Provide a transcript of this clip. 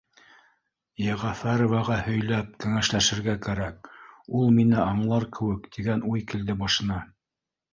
«Йәғәфәроваға һөйләп, кәңәшләшергә кәрәк, ул мине аңлар кеүек», — тигән уй килде башына